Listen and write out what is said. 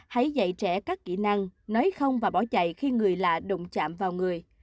hãy dạy trẻ các kỹ năng nói không và bỏ chạy khi người lạ đồng chạm vào người